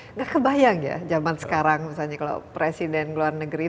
nggak kebayang ya zaman sekarang misalnya kalau presiden luar negeri